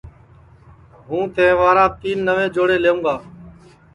ہوں تہواراپ تین نئوے جوڑے لئوں گا